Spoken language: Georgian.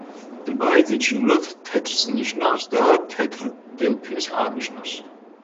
ბაიძი ჩინურად თეთრს ნიშნავს და „თეთრ დელფინს“ აღნიშნავს.